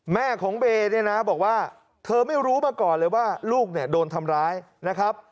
แม่ของเบย์เนี่ยนะบอกว่าเธอไม่รู้มาก่อนเลยว่าลูกเนี่ยโดนทำร้ายนะครับ